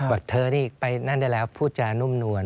บอกเธอนี่ไปนั่นได้แล้วพูดจานุ่มนวล